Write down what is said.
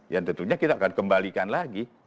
yang tentunya kita akan kembalikan lagi